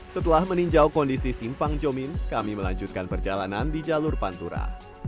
setelah meninjau kondisi simpang jomin kami melanjutkan perjalanan di jalur pantura